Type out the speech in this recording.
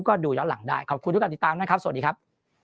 ก็ดูย้อนหลังได้ขอบคุณทุกการติดตามนะครับสวัสดีครับ